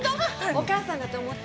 お母さんだと思って？